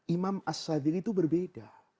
imam as saddin itu berbeda